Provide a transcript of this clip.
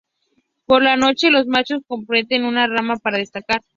Por la noche, los machos comparten una rama para descansar.